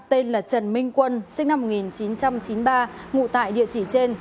tên là trần minh quân sinh năm một nghìn chín trăm chín mươi ba ngụ tại địa chỉ trên